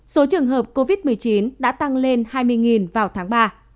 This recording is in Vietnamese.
số trường hợp covid một mươi chín đã tăng lên hai mươi vào tháng ba